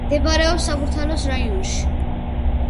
მდებარეობს საბურთალოს რაიონში.